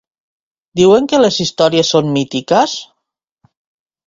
Diuen que les històries són mítiques?